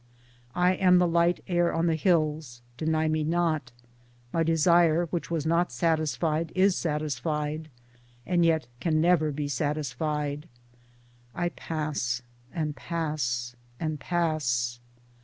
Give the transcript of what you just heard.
I am the light air on the hills — deny me not ; my desire which was not satisfied is satisfied, and yet can never be satisfied. I pass and pass and pass.